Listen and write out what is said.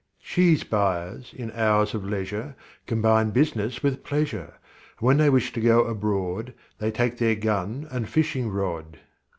Cheese buyers in hours of leisure Combine business with pleasure, And when they wish to go abroad They take their gun and fishing rod.